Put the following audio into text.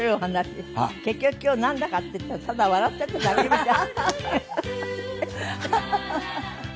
結局今日なんだかっていったらただ笑ってただけみたい。